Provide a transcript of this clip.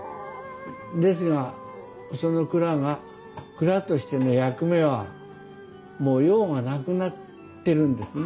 ですがその蔵が蔵としての役目はもう用がなくなってるんですね。